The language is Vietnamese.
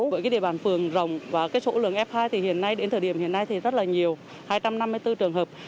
với địa bàn phường rồng và cái số lượng f hai thì hiện nay đến thời điểm hiện nay thì rất là nhiều hai trăm năm mươi bốn trường hợp